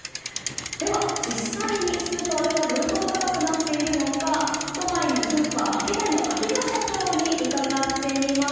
では実際にスーパーではどれほど高くなっているのか都内のスーパーアキダイの秋葉社長に伺ってみます。